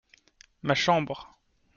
Ma chambre.